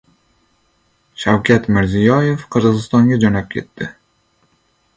Shavkat Mirziyoyev Qirg‘izistonga jo‘nab ketdi